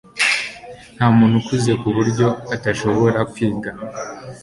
ntamuntu ukuze kuburyo atashobora kwiga